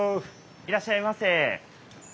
いらっしゃいませ。